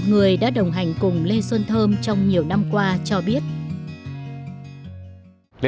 nhạc sĩ quốc vũ đã đồng hành cùng lê xuân thơm trong nhiều năm qua cho biết